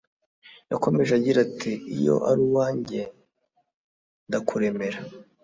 Yakomeje agira ati Iyo ari uwanjye ndakuremera,